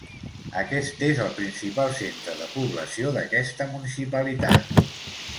Aquest és el principal centre de població d'aquesta municipalitat.